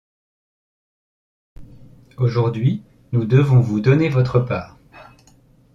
Aujourd’hui, nous devons vous donner votre part.